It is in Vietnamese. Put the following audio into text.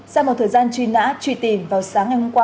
sau một thời gian truy nã truy tìm vào sáng ngày hôm qua